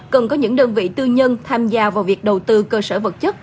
cần có những đơn vị tư nhân tham gia vào việc đầu tư cơ sở vật chất